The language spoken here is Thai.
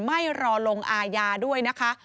ไม่รอลงอาญาด้วยนะคะ